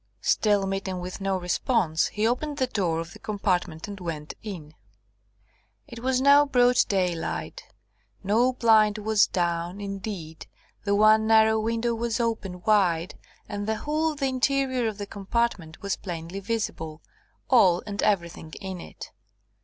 Still meeting with no response, he opened the door of the compartment and went in. It was now broad daylight. No blind was down; indeed, the one narrow window was open, wide; and the whole of the interior of the compartment was plainly visible, all and everything in it.